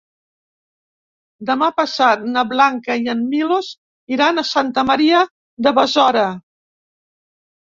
Demà passat na Blanca i en Milos iran a Santa Maria de Besora.